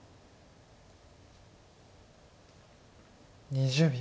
２０秒。